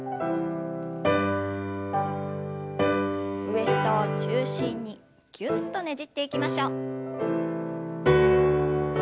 ウエストを中心にぎゅっとねじっていきましょう。